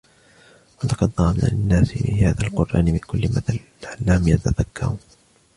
وَلَقَدْ ضَرَبْنَا لِلنَّاسِ فِي هَذَا الْقُرْآنِ مِنْ كُلِّ مَثَلٍ لَعَلَّهُمْ يَتَذَكَّرُونَ